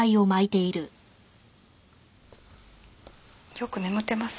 よく眠ってます